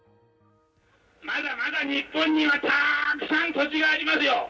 まだまだ日本にはたくさん土地がありますよ。